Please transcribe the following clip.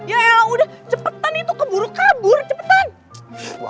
ya udah cepetan itu keburu kabur cepetan